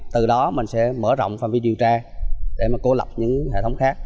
từ đó mình sẽ mở rộng phần viên điều tra để mà cố lập những hệ thống khác